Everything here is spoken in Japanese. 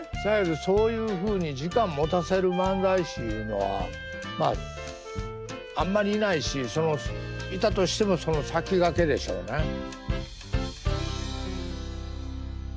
そやけどそういうふうに時間もたせる漫才師いうのはまああんまりいないしいたとしてもその先駆けでしょうね。